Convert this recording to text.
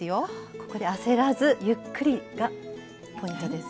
ここで焦らずゆっくりがポイントです。